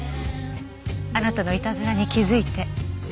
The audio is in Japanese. あなたのイタズラに気づいて。